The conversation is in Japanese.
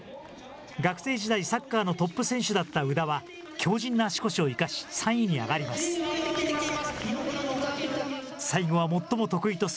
学生時代、サッカーのトップ選手だった宇田は、強じんな足腰を生かし、３位に上がります。